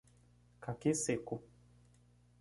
Caqui seco